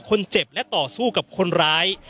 คนเจ็บและต่อสู้กับคนร้าย